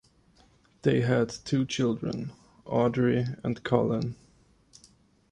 They had two children, Audrey and Colin.